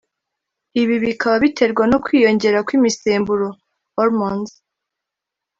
ibi bikaba biterwa no kwiyongera kw’imisemburo (hormones)